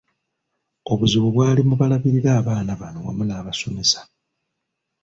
Obuzibu bwali mu balabirira abaana bano wamu n’abasomesa.